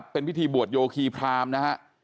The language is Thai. เป็นพิธีบวชโยคีพรามนะฮะ